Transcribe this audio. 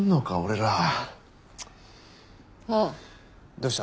どうした？